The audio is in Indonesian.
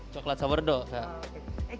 coklat sourdough kak